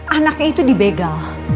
anaknya itu di begal